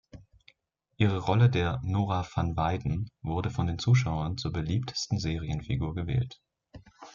Ihre Rolle der "Nora van Weyden" wurde von den Zuschauern zur beliebtesten Serienfigur gewählt.